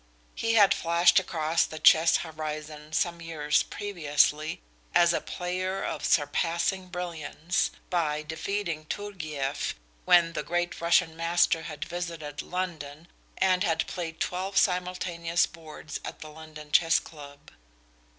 He had flashed across the chess horizon some years previously as a player of surpassing brilliance by defeating Turgieff, when the great Russian master had visited London and had played twelve simultaneous boards at the London Chess Club.